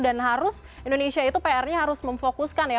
dan harus indonesia itu pr nya harus memfokuskan ya